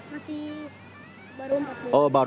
masih baru empat bulan